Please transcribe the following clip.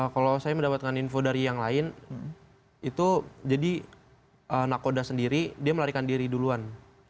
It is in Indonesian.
kalau saya mendapatkan info dari yang lain itu jadi nakoda sendiri dia melarikan diri duluan